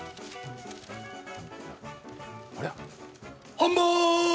ハンバーグ！